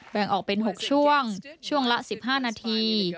แบ่งออกเป็น๖ช่วงช่วงละ๑๕นาที